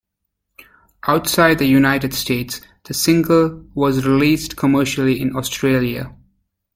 Outside the United States, the single was released commercially in Australia.